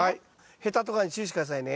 ヘタとかに注意して下さいね。